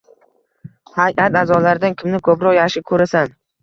Hay’at a’zolaridan kimni ko’proq yaxshi ko’rasan?